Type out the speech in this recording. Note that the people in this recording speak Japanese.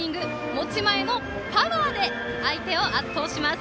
持前のパワーで相手を圧倒します。